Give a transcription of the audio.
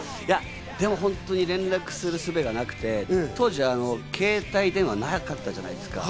でも本当に連絡するすべがなくて、当時は携帯電話がなかったじゃないですか。